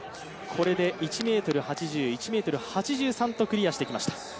これで１ｍ８０、１ｍ８３とクリアしてきました。